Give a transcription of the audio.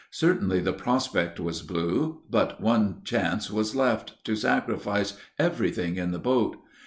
Certainly the prospect was blue; but one chance was left, to sacrifice everything in the boat.